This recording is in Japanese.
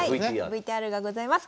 はいＶＴＲがございます。